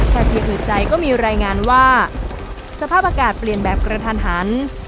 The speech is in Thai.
ทันทีอื่นใจก็มีรายงานว่าสภาพอากาศเปลี่ยนแบบกระทันหัน